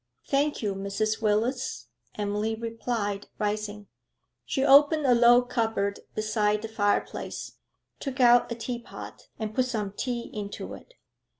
'Thank you, Mrs. Willis,' Emily replied, rising. She opened a low cupboard beside the fireplace, took out a tea pot, and put some tea into it.